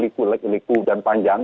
lebih berliku dan panjang